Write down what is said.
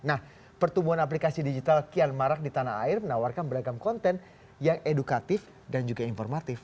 nah pertumbuhan aplikasi digital kian marak di tanah air menawarkan beragam konten yang edukatif dan juga informatif